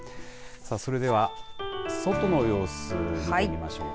それでは外の様子見てみましょうか。